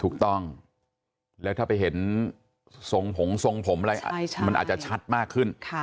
ถูกต้องแล้วถ้าไปเห็นทรงผงทรงผมอะไรมันอาจจะชัดมากขึ้น